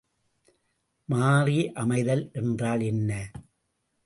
மாறியமைதல் என்றால் என்ன?